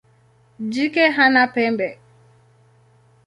Jike hana pembe.